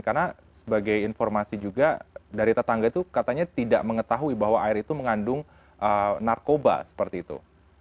karena sebagai informasi juga dari tetangga itu katanya tidak mengetahui bahwa air itu mengandung narkoba seperti itu